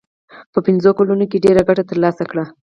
په پنځو کلونو کې ډېره ګټه ترلاسه کړه.